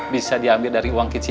bisa diambil dari uang kecil